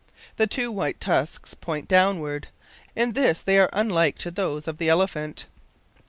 The two white tusks point downward. In this they are unlike to those of the elephant.